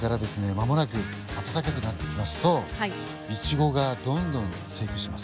間もなく暖かくなってきますとイチゴがどんどん生育します。